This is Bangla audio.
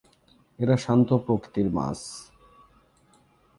এরা শান্ত প্রকৃতির মাছ।